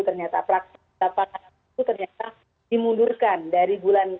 ternyata praksis dapatan itu ternyata dimundurkan dari bulan